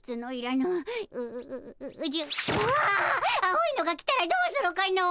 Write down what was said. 青いのが来たらどうするかの。